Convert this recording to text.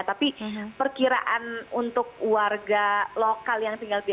tapi perkiraan untuk warga lokal yang tinggal di